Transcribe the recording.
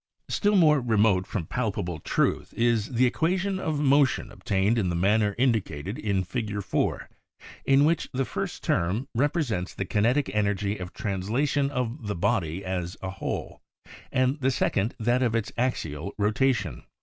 Still more remote from palpable truth is the equation of motion obtained in the manner indicated in Fig. 4, in which the first term represents the kinetic energy of translation of the body as a whole and the second that of its axial rotation.